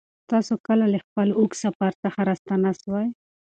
تاسې کله له خپل اوږد سفر څخه راستانه سوئ؟